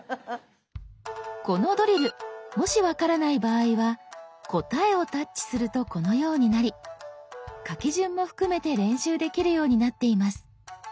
このドリルもし分からない場合は「答え」をタッチするとこのようになり書き順も含めて練習できるようになっています。